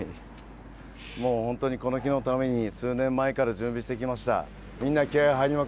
もう本当にこの日のために、数年前から準備してきました。